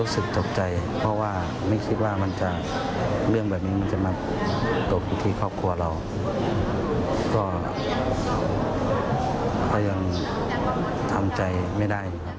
ส่วนที่วัดป่าพุทธมงคล